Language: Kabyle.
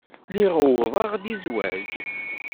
Lliɣ uwḍeɣ-d i zzwaj.